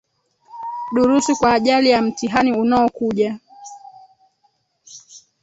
Durusu kwa ajali ya mtihani unaokuja.